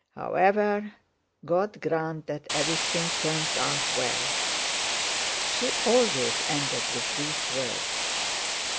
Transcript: However, God grant that everything turns out well!" (She always ended with these words.)